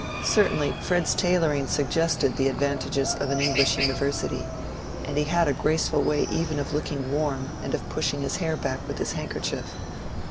Certainly Fred's tailoring suggested the advantages of an English university, and he had a graceful way even of looking warm and of pushing his hair back with his handkerchief.